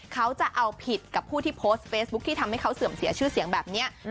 เขาจะเอาผิดกับผู้ที่โพสต์เฟซบุ๊คที่ทำให้เขาเสื่อมเสียชื่อเสียงแบบนี้